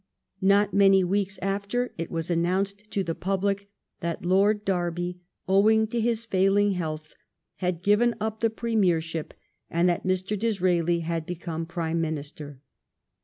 Not many weeks after, it was announced to the public that Lord Derby, owing to his failing health, had given up the Premiership, and that Mr. Disraeli had become Prime Minister.